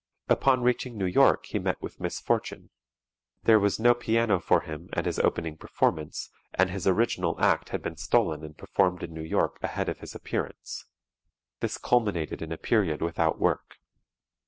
Upon reaching New York he met with misfortune. There was no piano for him at his opening performance and his original act had been stolen and performed in New York ahead of his appearance. This culminated in a period without work.